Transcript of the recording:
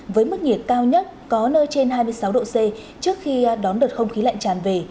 với mức nhiệt cao nhất có nơi trên hai mươi sáu độ c trước khi đón đợt không khí lạnh tràn về